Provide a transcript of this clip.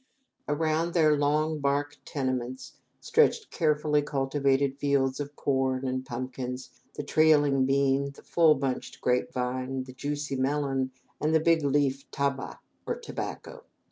Around their long bark tenements, stretched carefully cultivated fields of corn and pumpkins, the trailing bean, the full bunched grapevine, the juicy melon, and the big leafed tabah, or tobacco.